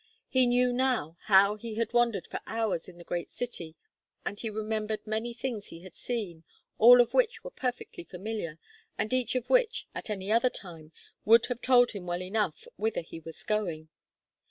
He knew, now, how he had wandered for hours in the great city, and he remembered many things he had seen, all of which were perfectly familiar, and each of which, at any other time, would have told him well enough whither he was going.